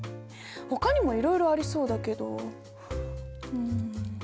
ほかにもいろいろありそうだけどうん。